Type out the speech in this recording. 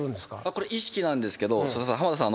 これ意識なんですけど浜田さん